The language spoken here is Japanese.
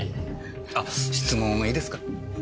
あっ質問いいですか？